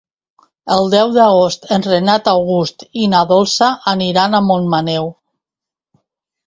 El deu d'agost en Renat August i na Dolça aniran a Montmaneu.